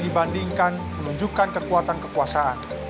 dibandingkan menunjukkan kekuatan kekuasaan